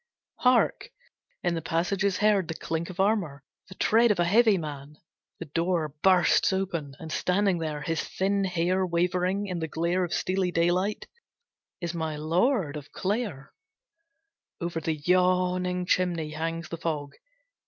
Hark! In the passage is heard the clink of armour, the tread of a heavy man. The door bursts open and standing there, his thin hair wavering in the glare of steely daylight, is my Lord of Clair. Over the yawning chimney hangs the fog.